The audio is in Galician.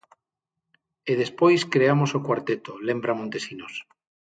E despois creamos o cuarteto, lembra Montesinos.